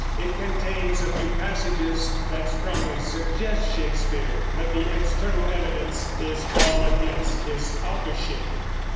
It contains a few passages that strongly suggest Shakespeare; but the external evidence is all against his authorship.